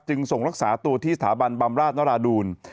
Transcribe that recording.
ส่งรักษาตัวที่สถาบันบำราชนราดูล